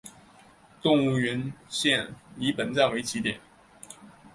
动物园线以本站为起点。